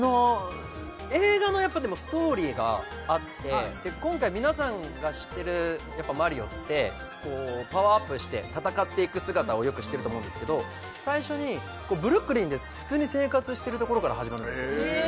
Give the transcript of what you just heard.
映画のやっぱでもストーリーがあって今回皆さんが知ってるマリオってこうパワーアップして戦っていく姿をよく知ってると思うんですけど最初にブルックリンで普通に生活してるところから始まるんですよ